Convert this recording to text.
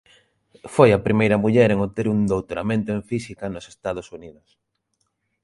Foi a primeira muller en obter un doutoramento en Física nos Estados Unidos.